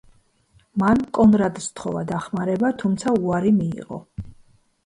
მან კონრადს სთხოვა დახმარება, თუმცა უარი მიიღო.